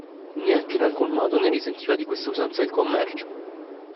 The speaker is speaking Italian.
Neanche, in alcun modo, ne risentiva di questa usanza il commercio.